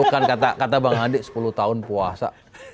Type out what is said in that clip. bukan kata bang hadi sepuluh tahun puasa